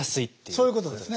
そういうことですね。